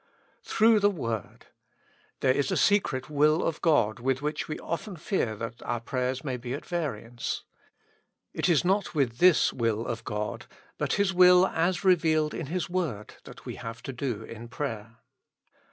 Through the word. There is a secret will of God, with which we often fear that our prayers may be at variance. It is not with this will of God, but His will as revealed in His word, that we have to do in prayer.